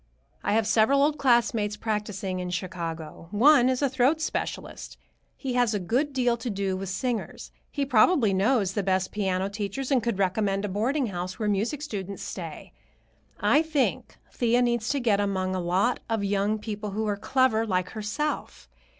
I have several old classmates practicing in Chicago. One is a throat specialist. He has a good deal to do with singers. He probably knows the best piano teachers and could recommend a boarding house where music students stay. I think Thea needs to get among a lot of young people who are clever like herself.